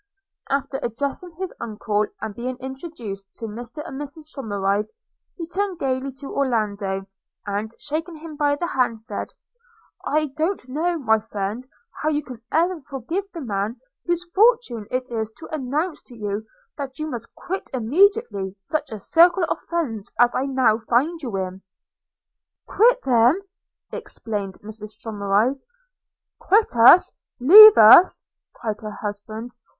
After addressing his uncle, and being introduced to Mr and Mrs Somerive, he turned gaily to Orlando, and, shaking him by the hand, said, 'I don't know, my friend, how you can ever forgive the man whose fortune it is to announce to you that you must quit immediately such a circle of friends as I now find you in!' 'Quit them!' exclaimed Mrs Somerive. 'Quit us! leave us!' cried her husband.